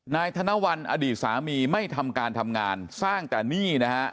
ธนวัลอดีตสามีไม่ทำการทำงานสร้างแต่หนี้นะฮะ